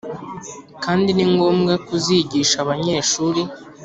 kandi ni ngombwa kuzigisha abanyeshuri